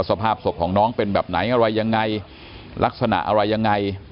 สภาพศพของน้องเป็นแบบไหนอะไรยังไงลักษณะอะไรยังไง